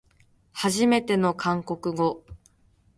はじめての韓国語